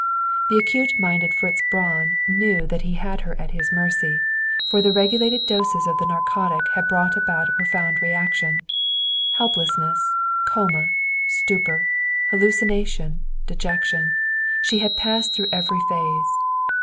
The acute minded Fritz Braun knew that he had her at his mercy, for the regulated doses of the narcotic had brought about a profound reaction. Helplessness, coma, stupor, hallucination, dejection; she had passed through every phase.